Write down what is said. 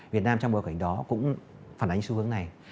việt nam trong bối cảnh đó cũng phản ánh xu hướng này